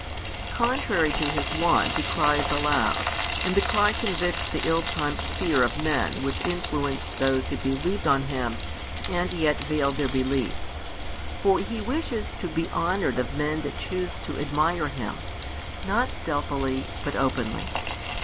Contrary to His wont He cries aloud, and the cry convicts the ill timed fear of men which influenced those who believed on Him and yet veiled their belief. For He |162 wishes to be honoured of men that choose to admire Him, not stealthily, but openly.